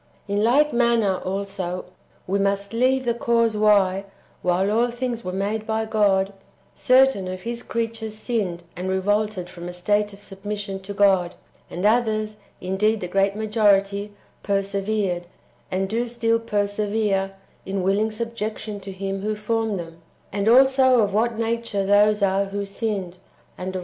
In like manner, also, we must leave the cause why, while all things were made by God, certain of His creatures sinned and revolted from a state of submission to God, and others, indeed the great majority, persevered, and do still persevere, in [wilHng] subjection to Him who formed them, and also of what nature those are who sinned, and of what ' Comp.